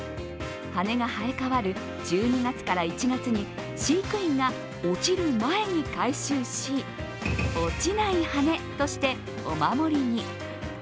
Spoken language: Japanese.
羽根が生え替わる１２月から１月に飼育員が落ちる前に回収し落ちない羽根として御守に。